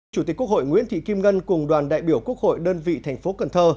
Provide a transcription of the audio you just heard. chủ tịch quốc hội nguyễn thị kim ngân cùng đoàn đại biểu quốc hội đơn vị thành phố cần thơ